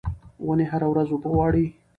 ونې هره ورځ اوبه غواړي.